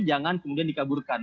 kita coba menyeburkan